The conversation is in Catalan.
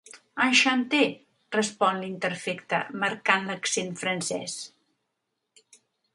Enchanté —respon l'interfecte, marcant l'accent francès.